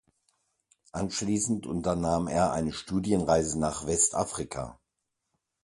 Anschließend unternahm er eine Studienreise nach Westafrika.